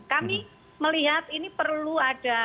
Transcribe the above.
kami melihat ini perlu ada